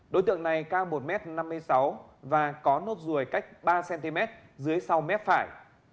đối tượng này cao một m năm mươi sáu và có nốt ruồi cách ba cm dưới sau mép phải